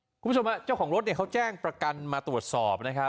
อืมคุณผู้ชมมาเจ้าของรถเนี้ยเขาแจ้งประกันมาตรวจสอบนะครับค่ะ